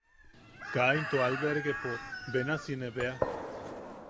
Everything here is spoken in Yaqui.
Kaa into albergepo benasi ne bea.